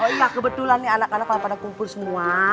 oh iya kebetulan nih anak anak kalau pada kumpul semua